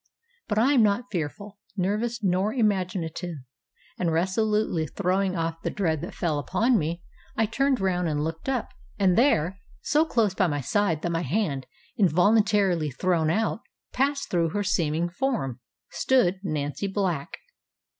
But I am not fearful, nervous nor imaginative, and resolutely throwing off the dread that fell upon me, I turned round and looked up, and there, so close by my side that my hand, involuntarily thrown out, passed through her seeming form, stood Nancy Black.